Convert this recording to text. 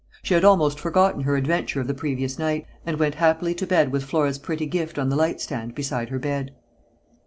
She had almost forgotten her adventure of the previous night, and went happily to bed with Flora's pretty gift on the light stand beside her bed.